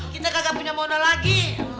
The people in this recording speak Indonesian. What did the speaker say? kita kagak punya modal lagi